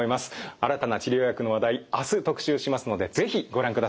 新たな治療薬の話題明日特集しますので是非ご覧ください。